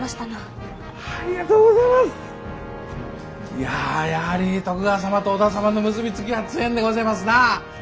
いややはり徳川様と織田様の結び付きは強えんでごぜますなあ！